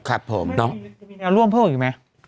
ครับผมน้องจะมีแนวร่วมเพิ่มอีกไหม